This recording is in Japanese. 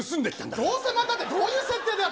どうせまたって、どういう設定だよ。